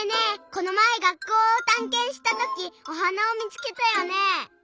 このまえ学校をたんけんしたときおはなをみつけたよねえ。